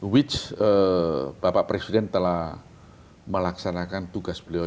which bapak presiden telah melaksanakan tugas beliau